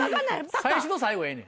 最初と最後はええねん。